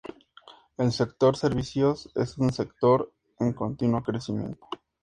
El sector servicios es un sector en continuo crecimiento.